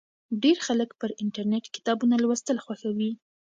ډیر خلک پر انټرنېټ کتابونه لوستل خوښوي.